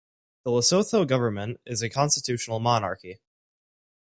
The Lesotho Government is a constitutional monarchy.